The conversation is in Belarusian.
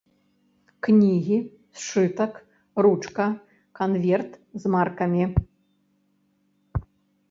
Кнігі, сшытак, ручка, канверт з маркамі.